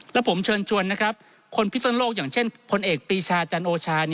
แล้วผมเชิญชวนนะครับคนพิสุนโลกอย่างเช่นพลเอกปีชาจันโอชา